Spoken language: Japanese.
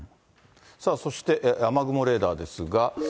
さあそして、雨雲レーダーですが。